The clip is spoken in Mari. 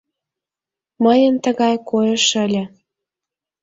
Мыйын тыгай койыш ыле.